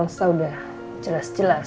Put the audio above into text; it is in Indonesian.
semoga kamu semangat